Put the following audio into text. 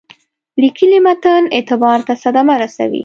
لیکلي متن اعتبار ته صدمه رسوي.